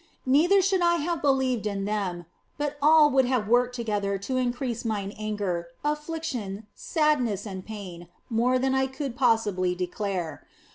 Neither should I have believed in them, but all would have worked together to increase mine anger, affliction, sadness, and pain more than I could possibly declare.